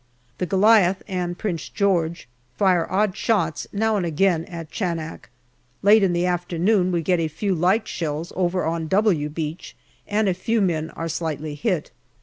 The Goliath and Prince George fire odd shots now and again at Chanak. Late in the afternoon we get a few light shells over on " W " Beach and a few men are slightly hit.